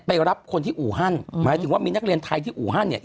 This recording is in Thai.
รับคนที่อู่ฮั่นหมายถึงว่ามีนักเรียนไทยที่อู่ฮั่นเนี่ย